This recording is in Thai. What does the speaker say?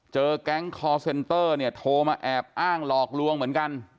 แก๊งคอร์เซนเตอร์เนี่ยโทรมาแอบอ้างหลอกลวงเหมือนกัน